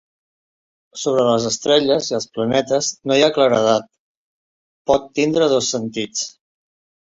Sobre les estrelles i els planetes no hi ha claredat. Pot tindre dos sentits.